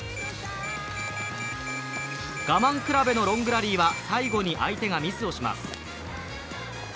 我慢比べのロングラリーは最後に相手がミスをします。